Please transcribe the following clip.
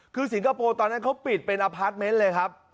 คือสิงคโปร์ตอนนั้นเขาปิดเป็นอพาร์ทเมนต์เลยครับ